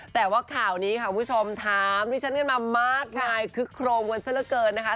แต่ว่าข่าวนี้ค่ะผู้ชมถามด้วยฉันขึ้นมามากไงคึกโครมกว่าสักแล้วเกินนะคะ